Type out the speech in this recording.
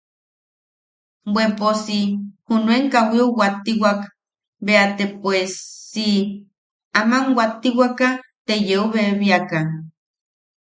Bwe poos si... junuen kawiu wattiwak bea te pues si... aman wattiwaka, te yeu bebiaka.